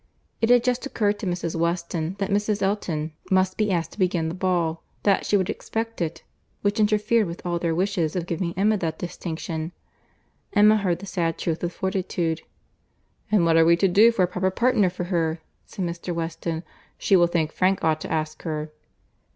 It had just occurred to Mrs. Weston that Mrs. Elton must be asked to begin the ball; that she would expect it; which interfered with all their wishes of giving Emma that distinction.—Emma heard the sad truth with fortitude. "And what are we to do for a proper partner for her?" said Mr. Weston. "She will think Frank ought to ask her."